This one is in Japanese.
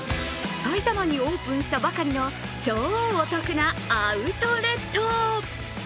埼玉にオープンしたばかりの超お得なアウトレット。